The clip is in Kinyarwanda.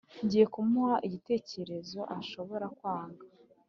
ngiye kumuha igitekerezo adashobora kwanga.